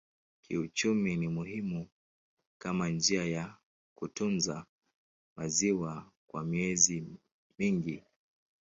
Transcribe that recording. Kiuchumi ni muhimu kama njia ya kutunza maziwa kwa miezi mingi.